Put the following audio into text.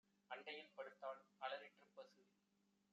அண்டையில் படுத்தாள். அலறிற்றுப் பசு;